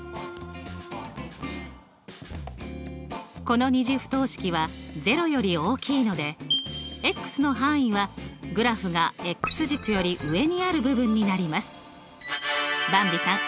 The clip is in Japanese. この２次不等式は０より大きいのでの範囲はグラフが軸より上にある部ばんびさん